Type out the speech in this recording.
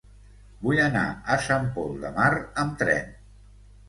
Vull anar a Sant Pol de Mar amb tren.